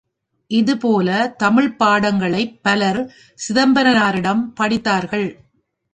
இதுபோல தமிழ்ப் பாடங்களைப் பலர் சிதம்பரனாரிடம் படித்தார்கள்.